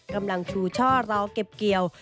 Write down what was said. กำลังชูช่อราวเก็บเกี่ยว